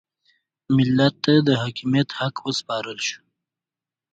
ملت ته د حاکمیت د حق سپارل وشو.